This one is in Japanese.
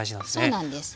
そうなんです。